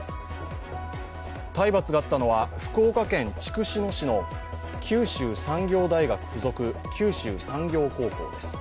体罰があったのは福岡県筑紫野市の九州産業大学付属九州産業高校です。